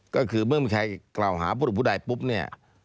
ก็คือเมื่อมีใครกล่าวหาผู้อื่นผู้ใดปุ๊บเนี่ย